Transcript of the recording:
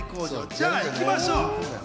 じゃあ、いきましょう。